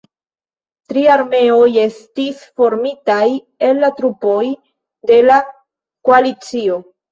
Tri armeoj estis formitaj el la trupoj de la koalicio.